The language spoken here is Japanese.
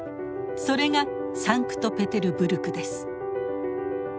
それがサンクトペテルブルクです。